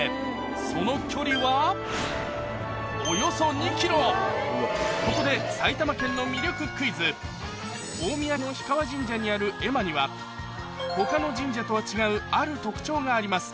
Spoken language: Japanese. その距離はここで大宮の氷川神社にある絵馬には他の神社とは違うある特徴があります